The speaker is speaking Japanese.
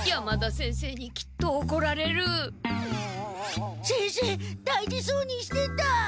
先生大事そうにしてた。